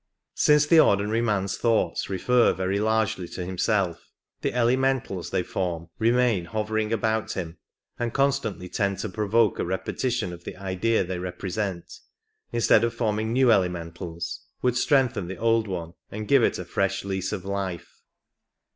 Since the ordinary man's thoughts refer very largely to himself, the elementals they form remain hovering about him, and constantly tend to provoke a repetition of the idea they represent, since such repetitions, instead of forming new elementals, would strengthen the old one, and give it a fresh lease of life.